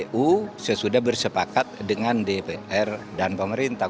kpu sesudah bersepakat dengan dpr dan pemerintah